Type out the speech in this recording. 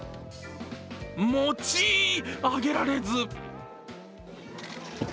持ち上げられず。